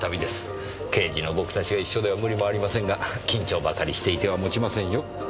刑事の僕たちが一緒では無理もありませんが緊張ばかりしていては持ちませんよ。